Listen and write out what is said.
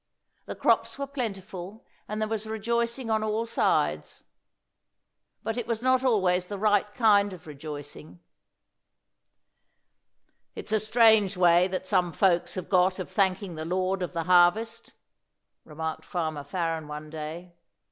The crops were plentiful, and there was rejoicing on all sides. But it was not always the right kind of rejoicing. "It's a strange way that some folks have got of thanking the Lord of the harvest," remarked Farmer Farren one day.